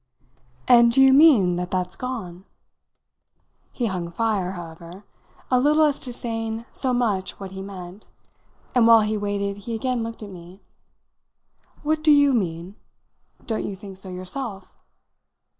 "And do you mean that that's gone?" He hung fire, however, a little as to saying so much what he meant, and while he waited he again looked at me. "What do you mean? Don't you think so yourself?"